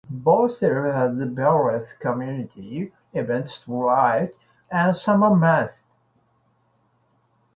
Both cities have various community events throughout the summer months.